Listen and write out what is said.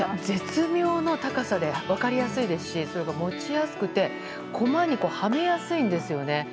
絶妙な高さで分かりやすいですし持ちやすくて駒にはめやすいんですよね。